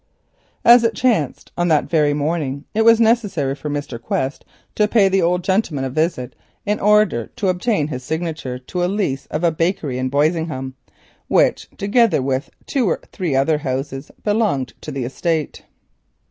As it chanced, on that very morning it was necessary for Mr. Quest to pay the old gentleman a visit in order to obtain his signature to a lease of a bakery in Boisingham, which, together with two or three other houses, belonged to the estate.